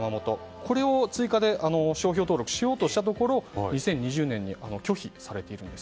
これを追加で商標登録しようとしたところ２０２０年に拒否されているんです。